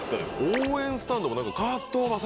応援スタンドも。